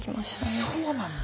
あそうなんだ。